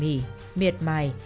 tỉ mì miệt mài